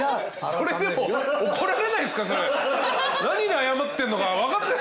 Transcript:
それでも。ならないっすか？